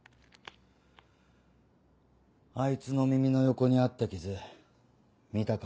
あいつの耳の横にあった傷見たか？